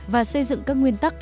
và xây dựng các nguyên tắc